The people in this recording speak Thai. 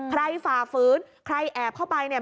ใครฝาฟื้นใครแอบเข้าไปเนี่ย